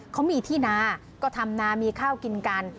เขามีที่นาก็ทำนามีข้าวกินกัน